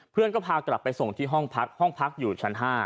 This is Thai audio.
เพื่อนก็พากลับไปส่งที่ห้องพักห้องพักอยู่ชั้น๕